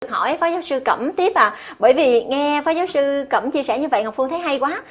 hỏi phó giáo sư cẩm tiếp và bởi vì nghe phó giáo sư cẩm chia sẻ như vậy ngọc phương thấy hay quá